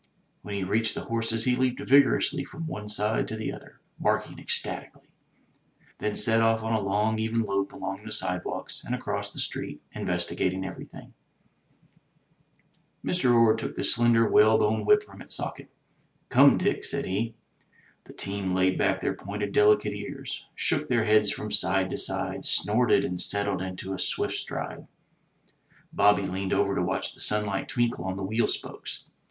When he reached the horses he leaped vigorously from one side to the other, barking ecstatically; then set off on a long even lope along the sidewalks and across the street, investigating everything. Mr. Orde took the slender whalebone whip from its socket. *'Come, Dick!" said he. The team laid back their pointed delicate ears, shook their heads from side to side, snorted and settled into a swift stride. 125 MY BOOK HOUSE Bobby leaned over to watch the sunlight twinkle on the wheel spokes.